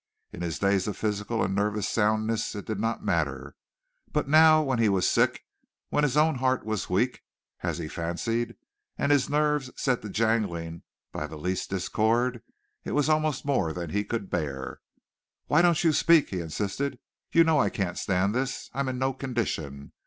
In his days of physical and nervous soundness it did not matter, but now, when he was sick, when his own heart was weak, as he fancied, and his nerves set to jangling by the least discord, it was almost more than he could bear. "Why don't you speak?" he insisted. "You know I can't stand this. I'm in no condition.